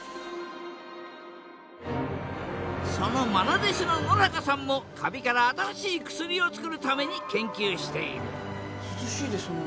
そのまな弟子の野中さんもカビから新しい薬をつくるために研究している涼しいですね。